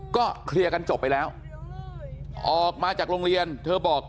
ก็เคลียร์กันจบไปแล้วออกมาจากโรงเรียนเธอบอก